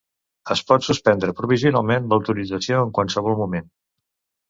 Es pot suspendre provisionalment l'autorització en qualsevol moment.